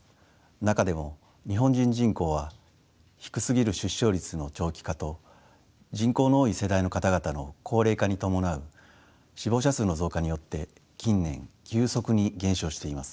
中でも日本人人口は低すぎる出生率の長期化と人口の多い世代の方々の高齢化に伴う死亡者数の増加によって近年急速に減少しています。